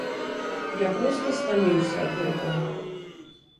Я проста стаміўся ад гэтага.